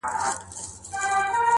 د تسو لاسو بدنامۍ خبره ورانه سوله ,